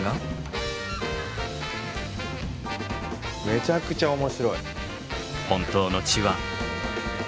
めちゃくちゃ面白い。